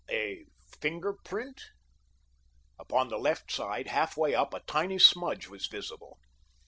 A finger print? Upon the left side half way up a tiny smudge was visible.